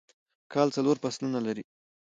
کال څلور فصلونه لري